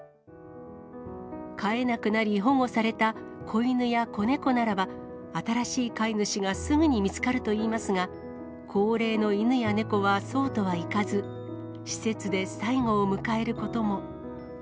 飼えなくなり、保護された子犬や子猫ならば、新しい飼い主がすぐに見つかるといいますが、高齢の犬や猫はそうとはいかず、施設で最期を迎えることも。